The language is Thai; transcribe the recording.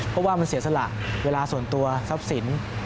เพราะว่ามันเสียสละเวลาส่วนตัวทรัพย์สิน